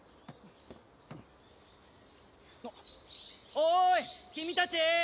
おい君たち！